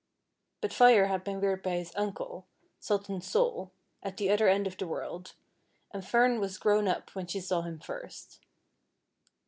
But Fire had been reared by his uncle. Sultan Sol, at the other end of the world, and Fern was grown up when she saw him first.